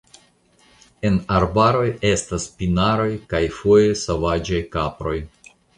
En arbaroj estas pinaroj kaj foje sovaĝaj kaproj.